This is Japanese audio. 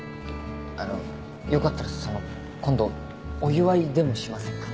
あのよかったらその今度お祝いでもしませんか？